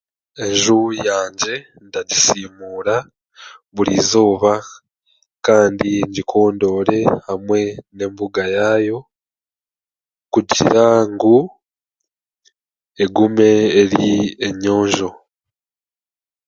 Enju yangye ndagisiimura buri eizooba kandi ngikondoore hamwe n'embuga yaayo kugira ngu egume eri enyonjo